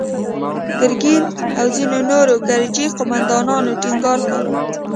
ګرګين او ځينو نورو ګرجي قوماندانانو ټينګار کاوه.